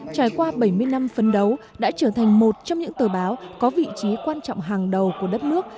trải qua bảy mươi năm phấn đấu đã trở thành một trong những tờ báo có vị trí quan trọng hàng đầu của đất nước